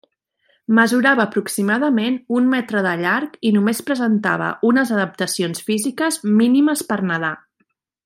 Mesurava aproximadament un metre de llarg i només presentava unes adaptacions físiques mínimes per nedar.